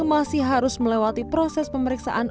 masih harus melewati proses pemeriksaan